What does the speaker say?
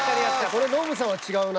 これノブさんは違うな。